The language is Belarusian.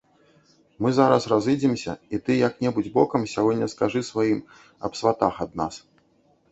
Мы зараз разыдземся, і ты як-небудзь бокам сягоння скажы сваім аб сватах ад нас.